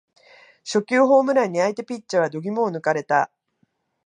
初球ホームランに相手ピッチャーは度肝を抜かれた